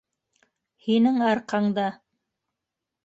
Һинең арҡанда...